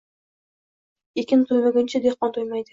Ekin to‘ymaguncha, dehqon to‘ymaydi